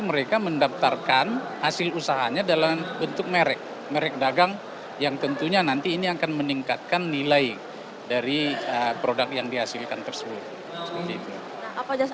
mereka mendaftarkan hasil usahanya dalam bentuk merek merek dagang yang tentunya nanti ini akan meningkatkan nilai dari produk yang dihasilkan tersebut